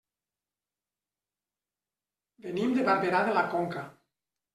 Venim de Barberà de la Conca.